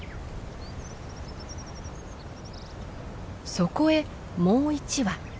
そこへもう１羽。